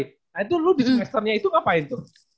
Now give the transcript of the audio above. nah itu lo di semesternya itu ngapain tuh